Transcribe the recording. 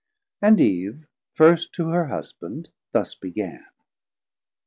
And Eve first to her Husband thus began.